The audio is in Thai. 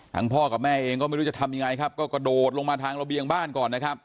ทั้งพ่อกับแม่เองก็ไม่รู้จะทำยังไงก็กระโดดลงมาทางระเบียงบ้านก่อน